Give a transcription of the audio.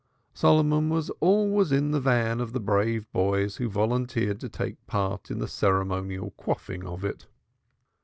Solomon was always in the van of the brave boys who volunteered to take part in the ceremonial quaffing of it.